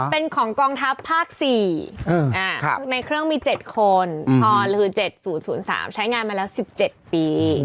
เป็นของกองทัพภาค๔ในเครื่องมี๗คน๗๐๐๓ใช้งานมาแล้ว๑๗ปี